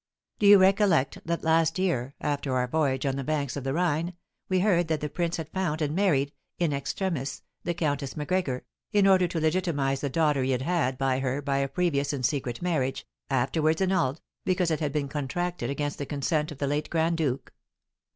Do you recollect that last year, after our voyage on the banks of the Rhine, we heard that the prince had found and married, in extremis, the Countess Macgregor, in order to legitimise the daughter he had had by her by a previous and secret marriage, afterwards annulled, because it had been contracted against the consent of the late grand duke?